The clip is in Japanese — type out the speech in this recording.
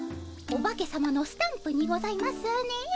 お化けさまのスタンプにございますね？